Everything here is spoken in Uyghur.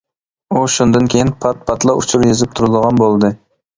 ئۇ شۇندىن كىيىن پات-پاتلا ئۇچۇر يېزىپ تۇرىدىغان بولدى.